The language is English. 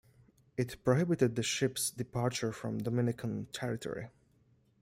It prohibited the ship's departure from Dominican territory.